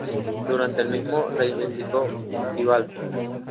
Durante el mismo reivindicó Gibraltar.